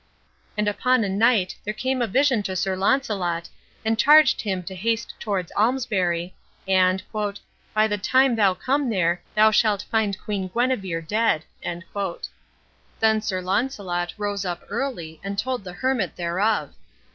And upon a night there came a vision to Sir Launcelot, and charged him to haste toward Almesbury, and "by the time thou come there, thou shalt find Queen Guenever dead." Then Sir Launcelot rose up early and told the hermit thereof.